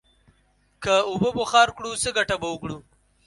که اوبه بخار کړو، څه گټه به وکړو؟